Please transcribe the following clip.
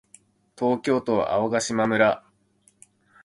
東京都青ヶ島村